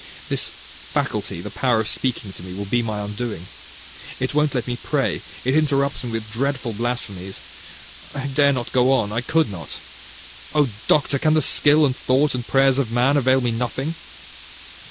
"This faculty, the power of speaking to me, will be my undoing. It won't let me pray, it interrupts me with dreadful blasphemies. I dare not go on, I could not. Oh! Doctor, can the skill, and thought, and prayers of man avail me nothing!"